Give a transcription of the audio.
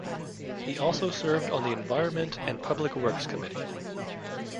He also served on the Environment and Public Works Committee.